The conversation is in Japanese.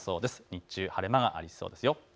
日中、晴れ間がありそうですよ。